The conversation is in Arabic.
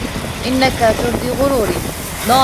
إنك ترضي غروري.